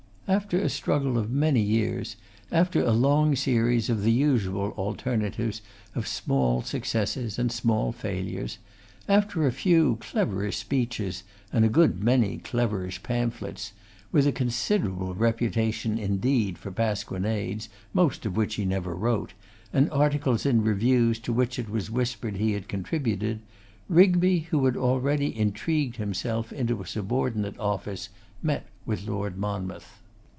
After a struggle of many years, after a long series of the usual alternatives of small successes and small failures, after a few cleverish speeches and a good many cleverish pamphlets, with a considerable reputation, indeed, for pasquinades, most of which he never wrote, and articles in reviews to which it was whispered he had contributed, Rigby, who had already intrigued himself into a subordinate office, met with Lord Monmouth.